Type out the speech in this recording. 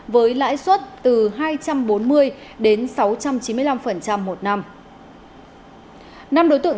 với lãi suất từ hai trăm linh đồng